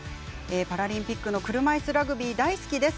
パラリンピックの車いすラグビー大好きです。